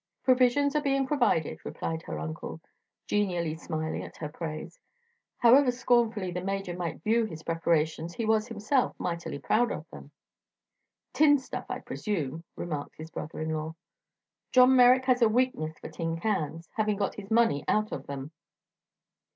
"Provisions are being provided," replied her uncle, genially smiling at her praise. However scornfully the Major might view his preparations he was himself mightily proud of them. "Tinned stuff, I presume," remarked his brother in law. "John Merrick has a weakness for tin cans, having got his money out of them."